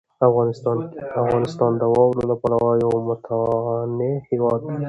افغانستان د واورو له پلوه یو متنوع هېواد دی.